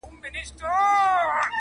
هر څه لاپي چي یې کړي وې پښېمان سو؛